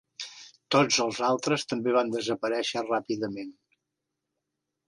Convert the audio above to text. Tots els altres també van desaparèixer ràpidament.